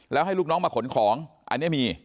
แล้วให้ลูกน้องมาขนของอันนี้มี